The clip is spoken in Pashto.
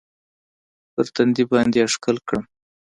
پر تندي باندې يې ښکل کړم.